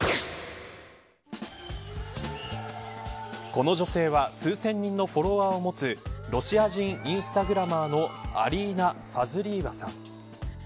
この女性は数千人のフォロワーを持つロシア人インスタグラマーのアリーナ・ファズリーバさん。